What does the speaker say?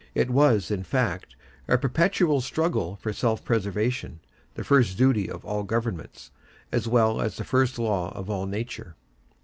It was, in fact, a perpetual struggle for self preservation—the first duty of all governments, as well as the first law of all nature.